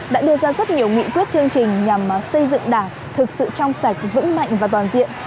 đã đưa ra rất nhiều nghị quyết chương trình nhằm xây dựng đảng thực sự trong sạch vững mạnh và toàn diện